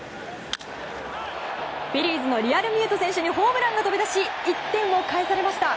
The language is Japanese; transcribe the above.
フィリーズのリアルミュート選手にホームランが飛び出し１点を返されました。